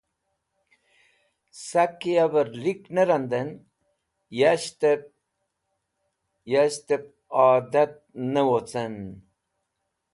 Sak ki yavẽr lik ne randẽn yashtẽb yashtẽb adat ne wocẽn